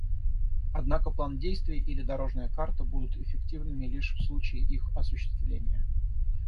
Однако план действий или «дорожная карта» будут эффективными лишь в случае их осуществления.